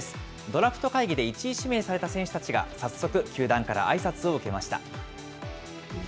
ドラフト会議で１位指名された選手たちが、早速、球団からあいさつを受けました。